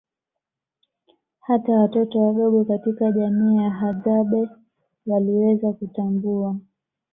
Hata watoto wadogo katika jamii ya hadzabe waliweza kutambua